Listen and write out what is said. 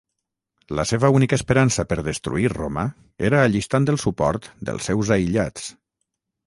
La seva única esperança per destruir Roma era allistant el suport dels seus aïllats.